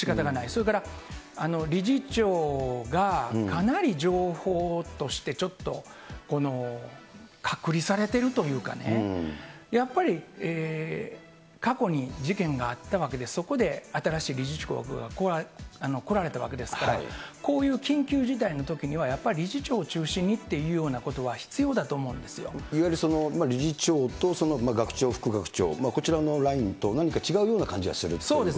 それから、理事長がかなり情報としてちょっと隔離されてるというかね、やっぱり過去に事件があったわけで、そこで新しい理事長が来られたわけですから、こういう緊急事態のときには、やっぱり理事長を中心にというこいわゆる理事長と学長、副学長、こちらのラインと、何か違うような感じがするということですか。